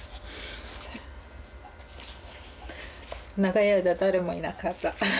長い間誰もいなかった。